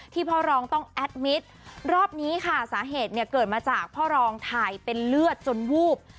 พ่อรองต้องแอดมิตรรอบนี้ค่ะสาเหตุเนี่ยเกิดมาจากพ่อรองถ่ายเป็นเลือดจนวูบ